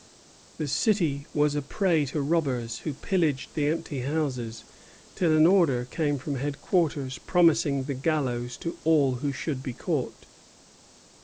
The city was a prey to robbers, who pillaged the empty houses, till an order came from headquarters promising the gallows to all who should be caught.